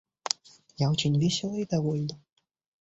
Я очень весела и довольна.